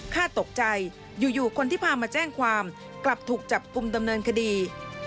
ฆ่าตกใจอยู่คนที่พามาแจ้งความกลับถูกจับกลุ่มดำเนินคดี